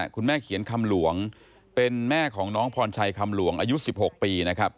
เขียนคำหลวงเป็นแม่ของน้องพรชัยคำหลวงอายุ๑๖ปีนะครับ